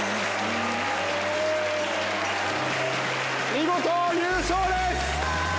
見事優勝です！